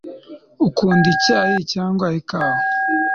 ukunda icyayi cyangwa ikawa